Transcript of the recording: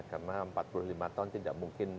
karena empat puluh lima tahun tidak mungkin